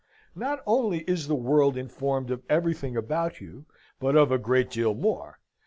Not only is the world informed of everything about you, but of a great deal more.